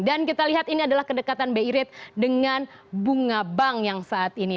dan kita lihat ini adalah kedekatan bi red dengan bunga bank yang saat ini